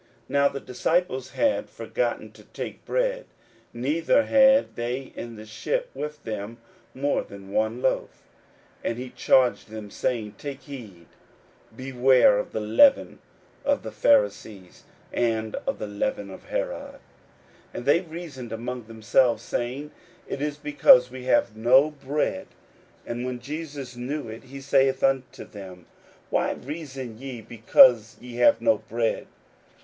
41:008:014 Now the disciples had forgotten to take bread, neither had they in the ship with them more than one loaf. 41:008:015 And he charged them, saying, Take heed, beware of the leaven of the Pharisees, and of the leaven of Herod. 41:008:016 And they reasoned among themselves, saying, It is because we have no bread. 41:008:017 And when Jesus knew it, he saith unto them, Why reason ye, because ye have no bread?